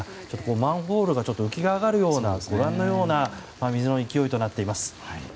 マンホールが浮き上がるような水の勢いとなっています。